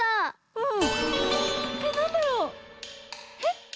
うん。